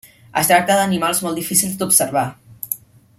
Es tracta d'animals molt difícils d'observar.